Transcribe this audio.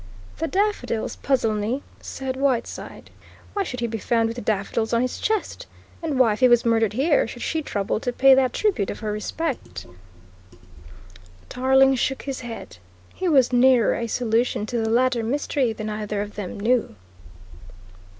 "The daffodils puzzle me," said Whiteside. "Why should he be found with daffodils on his chest? And why, if he was murdered here, should she trouble to pay that tribute of her respect?" Tarling shook his head. He was nearer a solution to the latter mystery than either of them knew.